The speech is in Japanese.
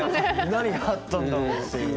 何があったんだろうっていう。